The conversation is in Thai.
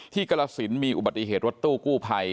ที่กละศิลป์มีอุบัติเหตุรถตู้กู้ภัย